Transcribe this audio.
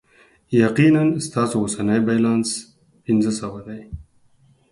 یقینا، ستاسو اوسنی بیلانس پنځه سوه دی.